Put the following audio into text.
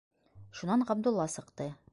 Шунан Ғабдулла сыҡты.